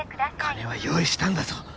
金は用意したんだぞ